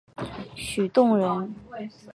许洞人。